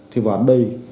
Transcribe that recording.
thế và đây